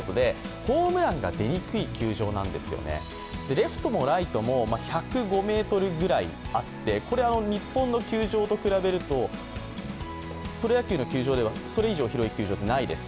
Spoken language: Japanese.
レフトもライトも１０５ｍぐらいあって日本の球場と比べるとプロ野球の球場ではそれ以上広い球場はないです。